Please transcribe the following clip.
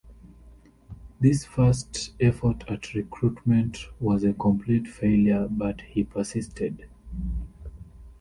This first effort at recruitment was a complete failure, but he persisted.